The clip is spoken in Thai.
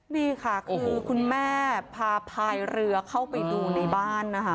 นี่ค่ะคือคุณแม่พาพายเรือเข้าไปดูในบ้านนะคะ